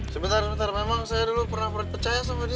sebentar sebentar memang saya dulu pernah percaya sama dia